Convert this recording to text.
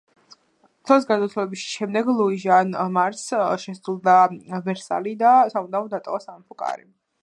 ცოლის გარდაცვალების შემდეგ, ლუი ჟან მარს შესძულდა ვერსალი და სამუდამოდ დატოვა სამეფო კარი.